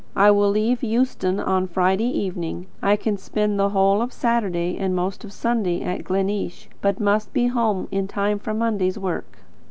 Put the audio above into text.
I will leave Euston on Friday evening. I can spend the whole of Saturday and most of Sunday at Gleneesh, but must be home in time for Monday's work.